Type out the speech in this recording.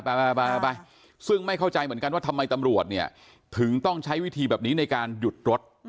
ไปไปซึ่งไม่เข้าใจเหมือนกันว่าทำไมตำรวจเนี่ยถึงต้องใช้วิธีแบบนี้ในการหยุดรถ